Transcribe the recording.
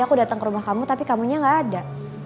kamu udah ada di rumah kamu tapi kamu nya gak ada